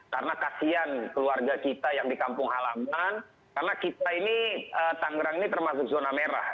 karena kasian keluarga kita yang di kampung halaman karena kita ini tangerang ini termasuk zona merah